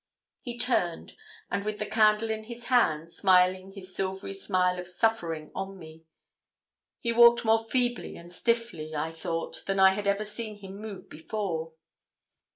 He turned, and with the candle in his hand, smiling his silvery smile of suffering on me. He walked more feebly and stiffly, I thought, than I had ever seen him move before.